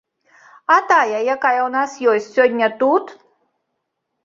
А тая, якая ў нас ёсць сёння тут?